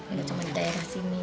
ini cuma di daerah sini